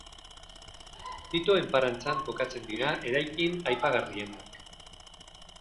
Tito enparantzan kokatzen dira eraikin aipagarrienak.